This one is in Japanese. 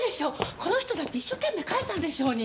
この人だって一生懸命書いたんでしょうに！